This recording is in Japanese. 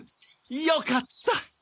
よかった。